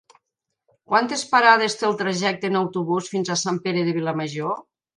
Quantes parades té el trajecte en autobús fins a Sant Pere de Vilamajor?